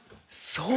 そう。